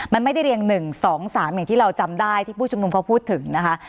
มันไม่ได้เรียง๑๒๓อย่างที่เราจำได้ที่ผู้ชุมนุมเขาพูดถึงนะคะ